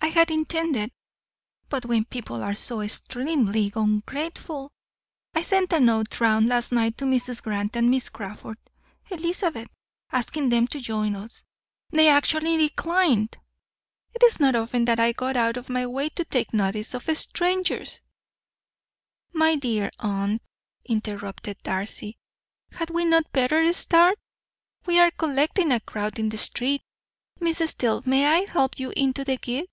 I had intended but when people are so extremely ungrateful I sent a note round last night to Mrs. Grant and Miss Crawford, Elizabeth, asking them to join us. They actually declined. It is not often that I go out of my way to take notice of strangers " "My dear aunt," interrupted Darcy, "had we not better start? We are collecting a crowd in the street. Miss Steele, may I help you into the gig?